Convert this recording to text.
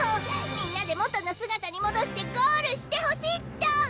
みんなで元の姿にもどしてゴールしてほしいっトン！